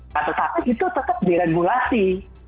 masa masa itu tetap diregulasi